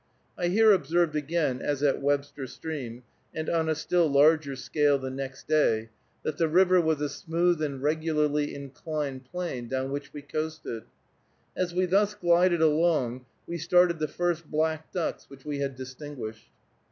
I here observed again, as at Webster Stream, and on a still larger scale the next day, that the river was a smooth and regularly inclined plane down which we coasted. As we thus glided along we started the first black ducks which we had distinguished.